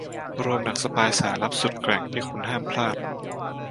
รวมหนังสปายสายลับสุดแกร่งที่คุณห้ามพลาด